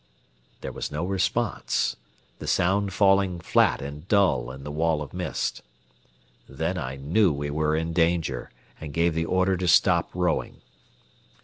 There was no response, the sound falling flat and dull in the wall of mist. Then I knew we were in danger, and gave the order to stop rowing.